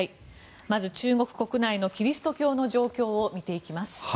まず中国国内のキリスト教の状況を見ていきましょう。